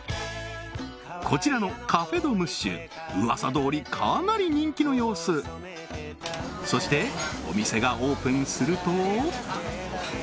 こちらのカフェ・ド・ムッシュ噂どおりかなり人気の様子そしておおっ！